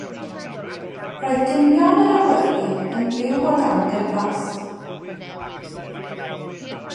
Roedd dynion yr awyrlu yn byw o dan gynfas.